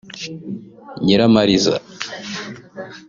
Nyiramariza